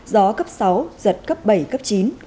gió cấp sáu giật cấp bảy cấp chín